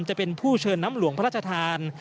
จะเป็นผู้เชิญน้ำหลวงพระราชทาน